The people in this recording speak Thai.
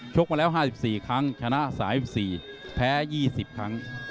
มาแล้ว๕๔ครั้งชนะ๓๔แพ้๒๐ครั้ง